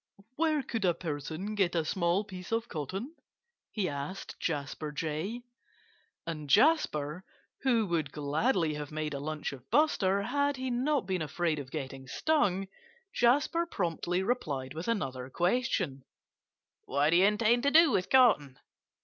"Where could a person get a small piece of cotton?" he asked Jasper Jay. And Jasper who would gladly have made a lunch of Buster, had he not been afraid of getting stung Jasper promptly replied with another question: "What do you intend to do with cotton?"